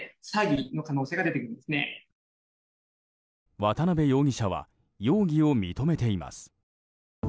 渡辺容疑者は容疑を認めています。